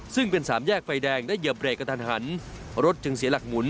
ซึ่งเป็นสามแยกไฟแดงได้เหยียบเรกกระทันหันรถจึงเสียหลักหมุน